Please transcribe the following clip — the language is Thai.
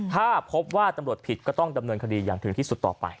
ถ้าพบว่าตำรวจผิดก็ต้องดำเนินคดีอย่างถึงที่สุดต่อไป